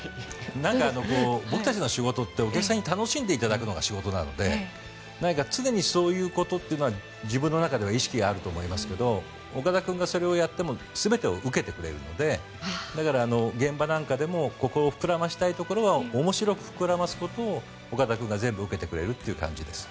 僕たちの仕事ってお客さんに楽しんでいただくのが仕事なので何か常にそういうことっていうのは自分の中で意識があると思いますが岡田君がそれをやっても全てを受けてくれるのでだから、現場なんかでもここを膨らませたいところは面白く膨らませることを岡田君が全部受けてくれるっていう感じです。